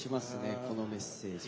このメッセージは。